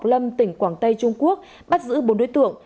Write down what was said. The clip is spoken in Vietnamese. lâm tỉnh quảng tây trung quốc bắt giữ bốn đối tượng